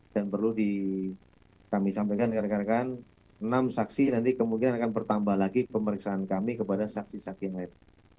dan perlu kami sampaikan rekan rekan enam saksi nanti kemungkinan akan bertambah lagi pemeriksaan kami kepada saksi saksi lain